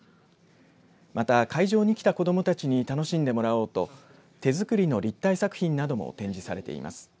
また会場に来た子どもたちに楽しんでもらおうと手作りの立体作品なども展示されています。